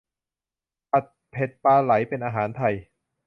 ผัดเผ็ดปลาไหลเป็นอาหารไทย